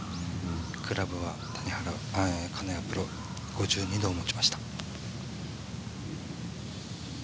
クラブは金谷君が５２度を持ちました。